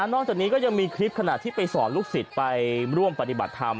นอกจากนี้ก็ยังมีคลิปขณะที่ไปสอนลูกศิษย์ไปร่วมปฏิบัติธรรม